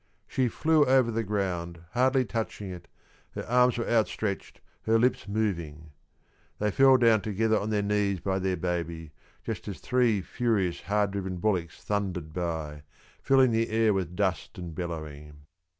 She flew over the ground, hardly touching it, her arms were outstretched, her lips moving. They fell down together on their knees by their baby, just as three furious, hard driven bullocks thundered by, filling the air with dust and bellowing.